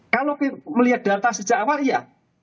kalau melihat data sejak awal iya